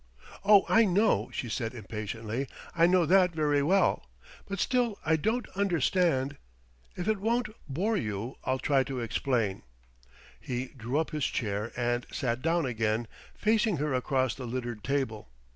"Oh, I know!" she said impatiently "I know that very well. But still I don't understand...." "If it won't bore you, I'll try to explain." He drew up his chair and sat down again, facing her across the littered table.